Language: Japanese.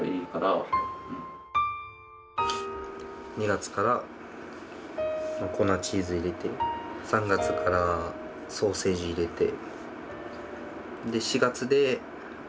２月から粉チーズ入れて３月からソーセージ入れて。